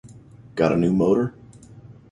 Gotta New Motor?